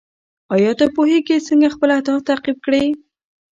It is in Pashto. ایا ته پوهېږې څنګه خپل اهداف تعقیب کړې؟